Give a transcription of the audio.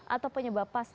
atau penyebab pasti